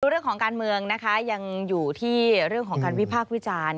เรื่องของการเมืองนะคะยังอยู่ที่เรื่องของการวิพากษ์วิจารณ์